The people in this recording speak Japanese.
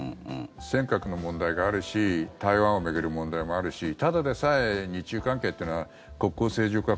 尖閣の問題があるし台湾を巡る問題もあるしただでさえ日中関係というのは国交正常化